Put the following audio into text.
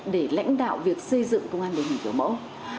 để lãnh đạo việc xây dựng công an điển hình kiểu mẫu